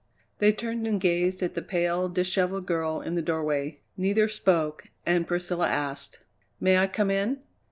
They turned and gazed at the pale, dishevelled girl in the doorway. Neither spoke and Priscilla asked: "May I come in?"